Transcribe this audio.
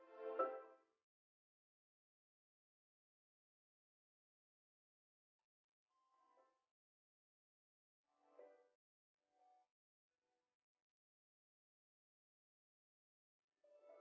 soal tempat tomah